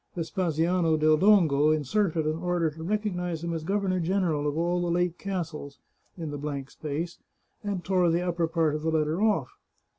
Vespasiano del Dongo inserted an order to recognise him as governor general of all the lake castles, in the blank space, and tore the upper part of the letter off.